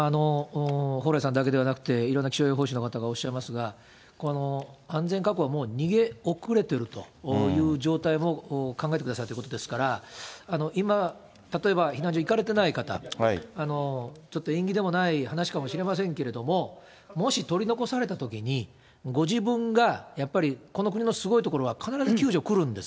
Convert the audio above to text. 蓬莱さんだけではなくて、いろんな気象予報士の方がおっしゃいますが、この安全確保はもう逃げ遅れてるという状態も考えてくださいってことですから、今、例えば、避難所に行かれてない方、ちょっと縁起でもない話かもしれませんけれども、もし取り残されたときに、ご自分が、やっぱりこの国のすごいところは、必ず救助、来るんです。